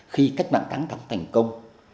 khi cách mạng thắng thắng thành công